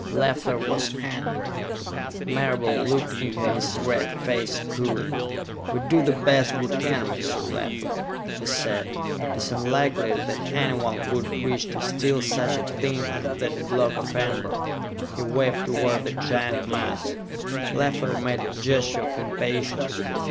Leffler was angry. Marable looked into his red face coolly. "We do the best we can, Mr. Leffler," he said. "It is unlikely that anyone would wish to steal such a thing as that block of amber." He waved toward the giant mass. Leffler made a gesture of impatience.